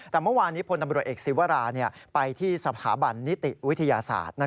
แต่เมื่อวานนี้พลตำรวจเอกศิวราไปที่สถาบันนิติวิทยาศาสตร์